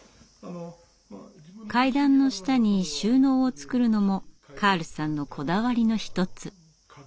階段の下に収納を作るのもカールさんのこだわりの一つ。